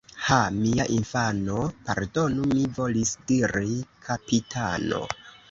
Ha! mia infano ... pardonu, mi volis diri: kapitano.